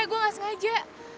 gue ga sengaja